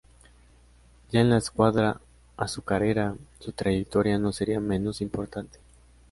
Ya en la escuadra azucarera, su trayectoria no sería menos importante.